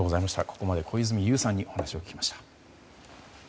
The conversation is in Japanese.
ここまで小泉悠さんにお話を聞きました。